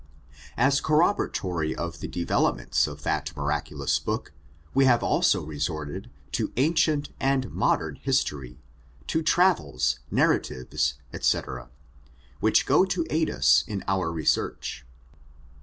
As corroboratory of the developments of that miraculous book, we have also resorted to ancient and modern history, to travels, narra tives, ^c, which go to aid us in the research.